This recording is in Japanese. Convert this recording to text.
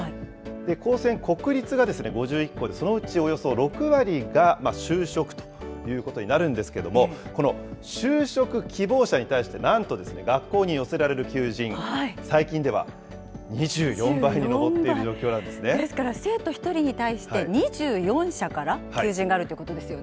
高専、国立が５１校でそのうちおよそ６割が就職ということになるんですけれども、この就職希望者に対して、なんと学校に寄せられる求人、最近では２４倍に上っている状況なですから生徒１人に対して、２４社から求人があるっていうことですよね。